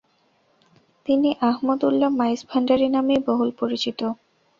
তিনি আহমদ উল্লাহ মাইজভান্ডারী নামেই বহুল পরিচিত।